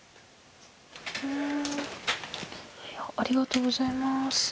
ありがとうございます。